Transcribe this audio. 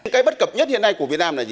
cây bất cập nhất hiện nay của việt nam là gì